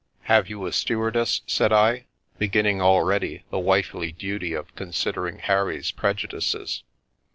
" Have you a stewardess ?" said I, beginning already the wifely duty of considering Harry's prejudices.